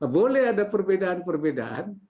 boleh ada perbedaan perbedaan